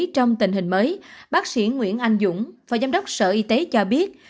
trong tình hình mới bác sĩ nguyễn anh dũng phó giám đốc sở y tế cho biết